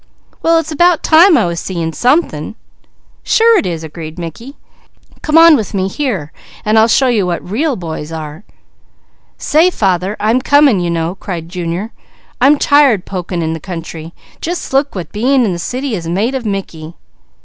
"Well it's about time I was seeing something." "Sure it is," agreed Mickey. "Come on with me here, and I'll show you what real boys are!" "Say father, I'm coming you know," cried Junior. "I'm tired poking in the country. Just look what being in the city has made of Mickey."